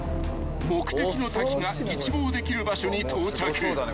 ［目的の滝が一望できる場所に到着］